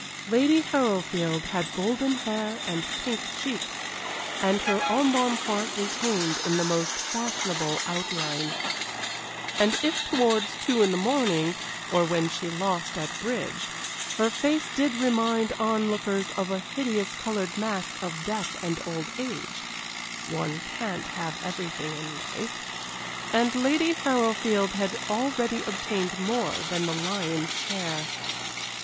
Lady Harrowfield had golden hair and pink cheeks, and her embonpoint retained in the most fashionable outline. And if towards two in the morning, or when she lost at bridge, her face did remind on lookers of a hideous colored mask of death and old age one can't have everything in life; and Lady Harrowfield had already obtained more than the lion's share.